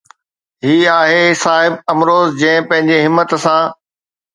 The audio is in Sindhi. هي آهي صاحب امروز جنهن پنهنجي همت سان